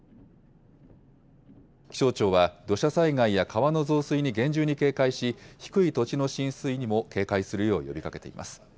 気象庁は土砂災害や川の増水に厳重に警戒し、低い土地の浸水にも警戒するよう呼びかけています。